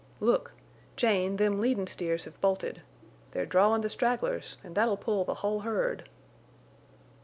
"Look!... Jane, them leadin' steers have bolted. They're drawin' the stragglers, an' that'll pull the whole herd."